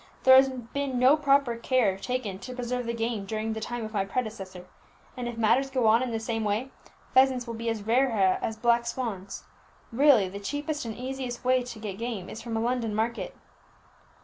There has been no proper care taken to preserve the game during the time of my predecessor, and if matters go on in the same way, pheasants will be as rare here as black swans. Really the cheapest and easiest way to get game is from a London market!"